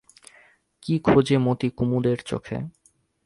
কী খোজে মতি কুমুদের চোখে?